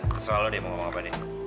terserah lo deh mau ngomong apa deh